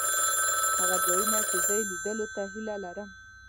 هغه ځایونه چې زه یې لیدلو ته هیله لرم.